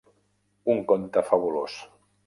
Un conte fabulós